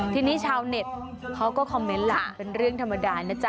ทีนี้ชาวเน็ตเขาก็คอมเมนต์ล่ะเป็นเรื่องธรรมดานะจ๊